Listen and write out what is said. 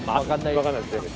わかんないです